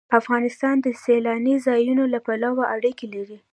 افغانستان د سیلاني ځایونو له پلوه اړیکې لري.